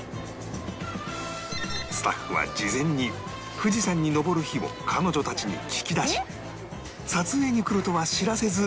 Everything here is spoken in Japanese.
スタッフは事前に富士山に登る日を彼女たちに聞き出し撮影に来るとは知らせず５合目で待ち構えていた